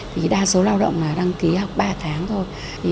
thì đa số lao động là đăng ký học ba tháng thôi